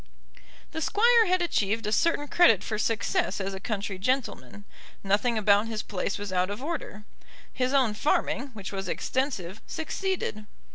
The Squire had achieved a certain credit for success as a country gentleman. Nothing about his place was out of order. His own farming, which was extensive, succeeded.